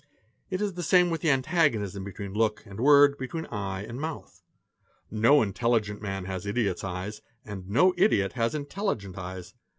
It is the same with the antagonism between look and word, between eye and mouth. No intelligent man has an idiot's eyes, and no idiot has "intelligent eyes.